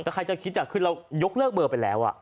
แต่ใครจะคิดอย่างนั้นคือเรายกเลิกเบอร์ไปแล้ว